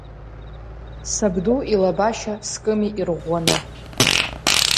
Сабду илабашьа скыми ирӷәӷәаны.